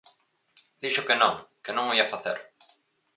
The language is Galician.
Dixo que non, que non o ía facer.